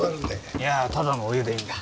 いやただのお湯でいいんだ。